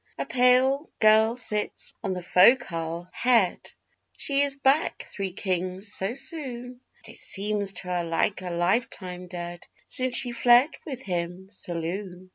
A pale girl sits on the foc'sle head she is back, Three Kings! so soon; But it seems to her like a life time dead since she fled with him 'saloon.